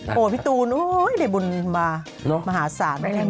โอ้โหพี่ตูนได้บุญมามหาศาล